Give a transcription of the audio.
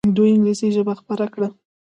دوی انګلیسي ژبه خپره کړه.